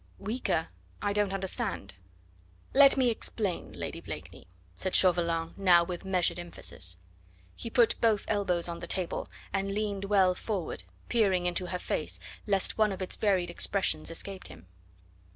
"Weaker? I don't understand." "Let me explain, Lady Blakeney," said Chauvelin, now with measured emphasis. He put both elbows on the table and leaned well forward, peering into her face, lest one of its varied expressions escaped him.